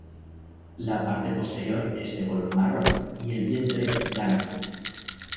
La parte posterior es de color marrón y el vientre blanco.